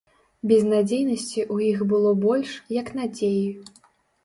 Безнадзейнасці ў іх было больш, як надзеі.